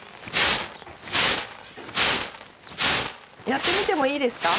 やってみてもいいですか？